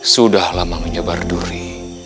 sudah lama menyebar duri